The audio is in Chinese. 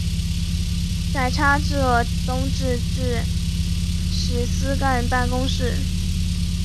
改差浙东制置使司干办公事。